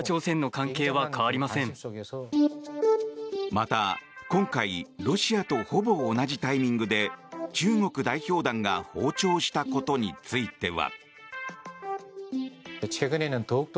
また今回ロシアとほぼ同じタイミングで中国代表団が訪朝したことについては。